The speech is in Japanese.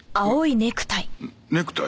ネクタイ？